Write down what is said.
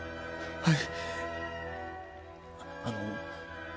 はい。